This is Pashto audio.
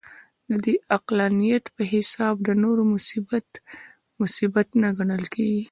د دې عقلانیت په حساب د نورو مصیبت، مصیبت نه ګڼل کېږي.